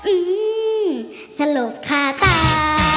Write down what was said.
อื้มสรุปค่าตา